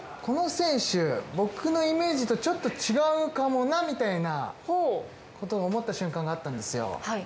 この選手僕のイメージとちょっと違うかもなみたいなことを思った瞬間があったんですよ。